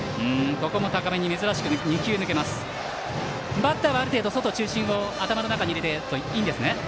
バッターはある程度、外中心を頭に入れていていいんですね。